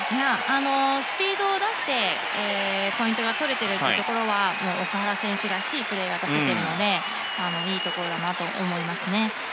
スピードを出してポイントが取れているところは奥原選手らしいプレーが出せてるのでいいところだなと思いますね。